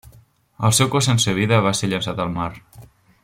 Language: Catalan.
El seu cos sense vida va ser llançat al mar.